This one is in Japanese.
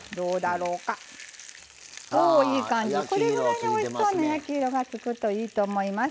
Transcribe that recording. これぐらいにおいしそうな焼き色がつくといいと思います。